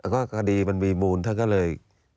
ก็คดีมันมีมูลท่านก็เลย